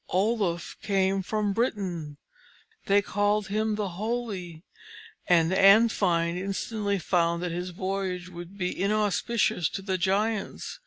Oluf came from Britain. They called him the Holy, and Andfind instantly found that his voyage would be inauspicious to the Giants.